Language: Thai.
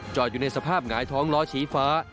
อยู่ในสภาพหงายท้องล้อชี้ฟ้า